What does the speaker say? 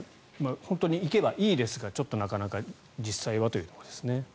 本当にいけばいいですがちょっとなかなか実際はというところですね。